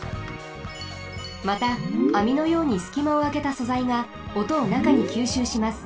またあみのようにすきまをあけたそざいがおとをなかにきゅうしゅうします。